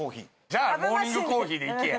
じゃあ『モーニングコーヒー』でいけや。